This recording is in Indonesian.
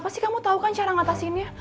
pasti kamu tahu kan cara ngatasinnya